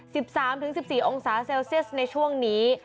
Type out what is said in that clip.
สิบสามถึงสิบสี่องศาเซลเซียสในช่วงนี้